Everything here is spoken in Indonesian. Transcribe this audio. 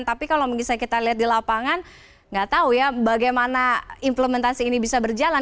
tapi kalau misalnya kita lihat di lapangan nggak tahu ya bagaimana implementasi ini bisa berjalan